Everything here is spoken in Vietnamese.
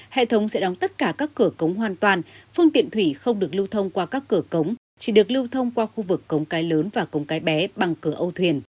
hệ thống sẽ đóng tất cả các cửa cống hoàn toàn phương tiện thủy không được lưu thông qua các cửa cống chỉ được lưu thông qua khu vực cống cái lớn và cống cái bé bằng cửa âu thuyền